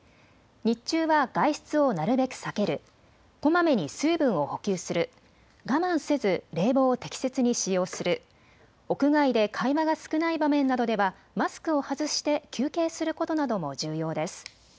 日中は外出をなるべく避ける、こまめに水分を補給する、我慢せず冷房を適切に使用する、屋外で会話が少ない場面などではマスクを外して休憩することなども重要です。